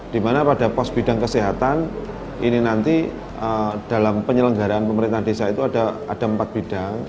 di mana pada pos bidang kesehatan ini nanti dalam penyelenggaraan pemerintahan desa itu ada empat bidang